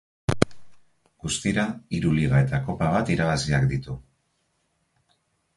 Guztira hiru liga eta Kopa bat irabaziak ditu.